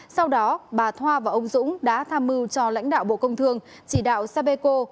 sau đó bà thoa và ông dũng đã tham mưu cho lãnh đạo bộ công thương chỉ đạo sapeco